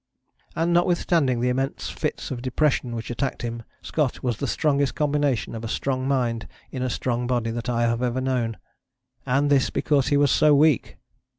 And notwithstanding the immense fits of depression which attacked him, Scott was the strongest combination of a strong mind in a strong body that I have ever known. And this because he was so weak!